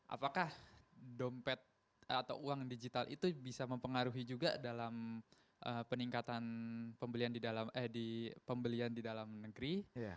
apakah dompet atau uang digital itu bisa mempengaruhi juga dalam peningkatan pembelian di dalam negeri